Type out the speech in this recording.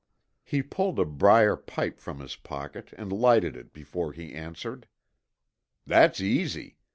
He pulled a briar pipe from his pocket and lighted it before he answered. "That's easy.